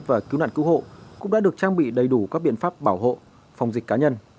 và cứu nạn cứu hộ cũng đã được trang bị đầy đủ các biện pháp bảo hộ phòng dịch cá nhân